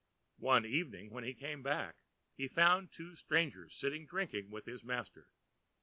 One evening when he came back he found two strangers sitting drinking with his master.